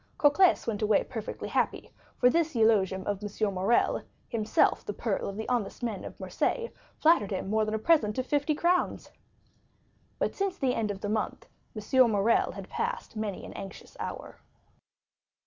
Cocles went away perfectly happy, for this eulogium of M. Morrel, himself the pearl of the honest men of Marseilles, flattered him more than a present of fifty crowns. But since the end of the month M. Morrel had passed many an anxious hour.